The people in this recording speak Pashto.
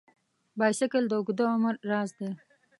بایسکل د اوږده عمر راز دی.